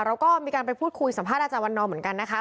เราก็มีการไปพูดคุยสัมภาษณ์อาจารย์วันนอเหมือนกันนะคะ